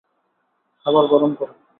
খাবার গরম করে।